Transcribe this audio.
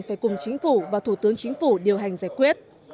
phải cùng chính phủ và thủ tướng chính phủ điều hành giải quyết